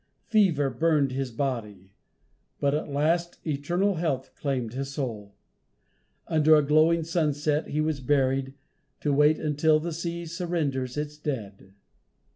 Fever burned his body; but at last eternal health claimed his soul. Under a glowing sunset, he was buried, to wait until the sea surrenders its dead.